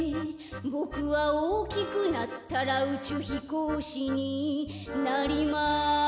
「ボクはおおきくなったらうちゅうひこうしになりまあす」